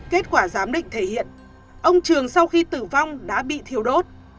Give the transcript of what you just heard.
kết quả giám định thể hiện ông trường sau khi tử vong đã bị thiếu đốt